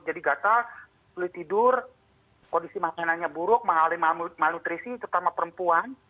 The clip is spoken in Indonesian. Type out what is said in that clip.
jadi gatal kulit tidur kondisi makanannya buruk malnutrisi terutama perempuan